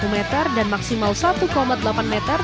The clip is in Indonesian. satu meter dan maksimal satu delapan meter